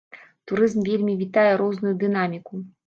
Турызм вельмі вітае розную дынаміку.